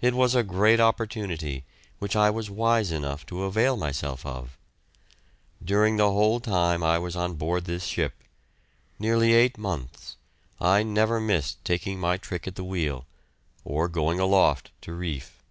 It was a great opportunity, which I was wise enough to avail myself of. During the whole time I was on board this ship nearly eight months I never missed taking my trick at the wheel, or going aloft to reef.